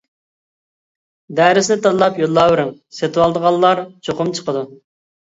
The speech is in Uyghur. دەرسنى تاللاپ يوللاۋېرىڭ، سېتىۋالىدىغانلار چوقۇم چىقىدۇ.